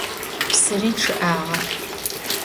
Psıri ççı'ağe.